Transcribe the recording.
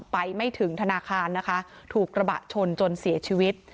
ไปไม่ถึงธนาคารนะคะถูกกระบะชนจนเสียชีวิต